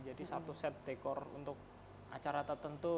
jadi satu set dekor untuk acara tertentu